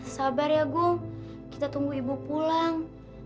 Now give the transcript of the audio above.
sabar ya bu kita tunggu ibu pulang